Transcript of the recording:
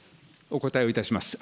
お答えをいたします。